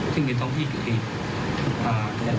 ซึ่งเป็นต้องที่เกรียด